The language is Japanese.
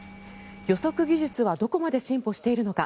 予測技術はどこまで進歩しているのか。